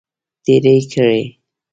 تیرې کړې.